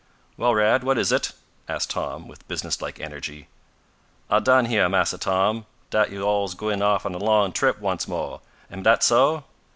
"Well, Rad, what is it?" asked Tom, with businesslike energy. "I done heah, Massa Tom, dat yo' all's gwine off on a long trip once mo'. Am dat so?"